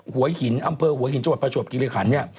หวยหินอำเพลย์หวยหินจังหวัดประชวปกิริฐรรณเนี่ย